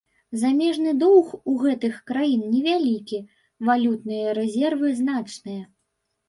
Замежны доўг у гэтых краін невялікі, валютныя рэзервы значныя.